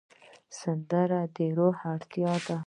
سندره د روح اړتیا ده